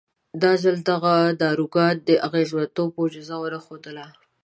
دا ځل دغه داروګان د اغېزمنتوب معجزه ونه ښودله.